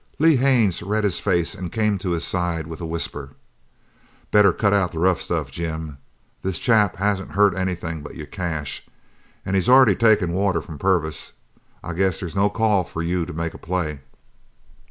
Lee Haines read his face and came to his side with a whisper: "Better cut out the rough stuff, Jim. This chap hasn't hurt anything but your cash, and he's already taken water from Purvis. I guess there's no call for you to make any play."